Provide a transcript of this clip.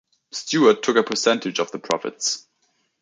Stewart took a percentage of the profits.